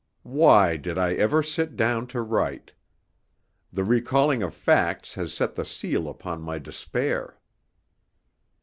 Why did I ever sit down to write? The recalling of facts has set the seal upon my despair.